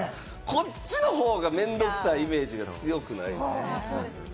こっちの方が面倒くさいイメージが強くないです？